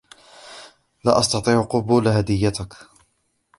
لا أستطيع قبول هديتِكَ.